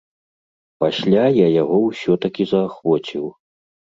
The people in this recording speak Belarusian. Пасля я яго ўсё-такі заахвоціў.